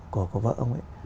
của vợ ông ấy